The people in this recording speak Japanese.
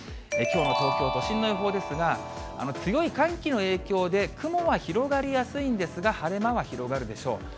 きょうの東京都心の予報ですが、強い寒気の影響で雲は広がりやすいんですが、晴れ間は広がるでしょう。